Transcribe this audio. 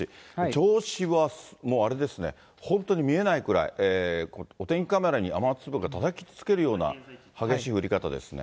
銚子はもうあれですね、本当に見えないくらい、お天気カメラに雨粒がたたきつけるような激しい降り方ですね。